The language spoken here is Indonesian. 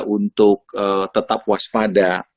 untuk tetap waspada